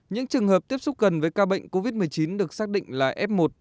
những trường hợp tiếp xúc gần với ca bệnh covid một mươi chín được xác định là f một